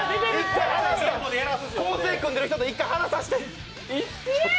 構成組んでる人と１回話させて。